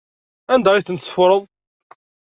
Anda ay tent-teffreḍ?